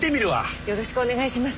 よろしくお願いします。